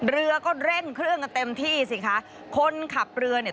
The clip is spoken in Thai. เรือก็เร่งเครื่องกันเต็มที่สิคะคนขับเรือเนี่ย